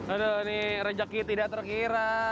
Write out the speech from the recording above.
aduh ini rejeki tidak terkira